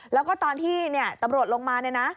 แล้วก็ตอนที่ตำรวจลงมาเนี่ยนะ